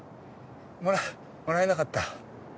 もらもらえなかった。